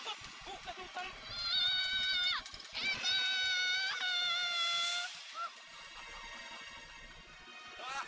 kamu nangis tapi garam gua di simpan